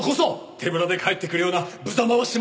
手ぶらで帰ってくるような無様はしません！